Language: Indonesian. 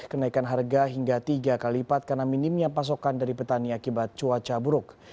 kenaikan harga hingga tiga kali lipat karena minimnya pasokan dari petani akibat cuaca buruk